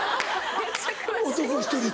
男１人で。